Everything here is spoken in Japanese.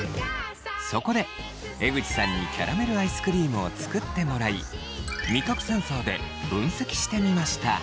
そこで江口さんにキャラメルアイスクリームを作ってもらい味覚センサーで分析してみました。